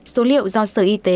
số liệu do sở y tế